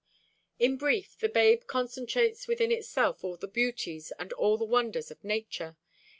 In brief, the babe concentrates within itself all the beauties and all the wonders of nature.